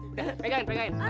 udah pegangin pegangin